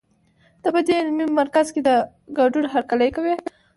ته په دې علمي مرکز کې د ګډون هرکلی کوي.